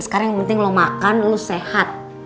sekarang yang penting lu makan lu sehat